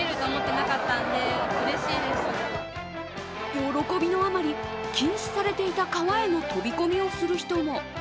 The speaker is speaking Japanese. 喜びのあまり、禁止されていた川への飛び込みをする人も。